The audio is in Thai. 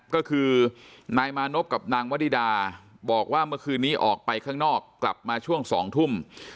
ก็คือนายมานพกับนางวนิดาบอกว่าเมื่อคืนนี้ออกไปข้างนอกกลับมาช่วง๒ทุ่ม